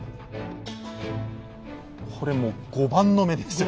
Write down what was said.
これもう碁盤の目ですね。